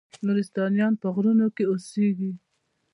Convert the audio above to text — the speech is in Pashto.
نورستانیان په غرونو کې اوسیږي؟